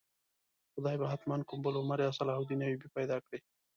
خدای به حتماً کوم بل عمر یا صلاح الدین ایوبي پیدا کړي.